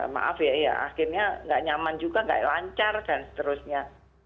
maaf ya ya akhirnya nggak nyaman juga nggak lancar dan seterusnya